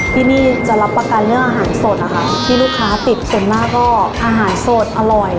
ที่นี่จะรับประกันเรื่องอาหารสดนะคะที่ลูกค้าติดส่วนมากก็อาหารสดอร่อย